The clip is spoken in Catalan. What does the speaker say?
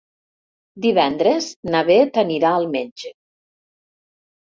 Divendres na Beth anirà al metge.